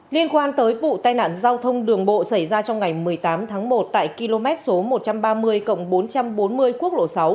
liên quan tới vụ tai nạn giao thông đường bộ xảy ra trong ngày một mươi tám tháng một tại km một trăm ba mươi cộng bốn trăm bốn mươi quốc lộ sáu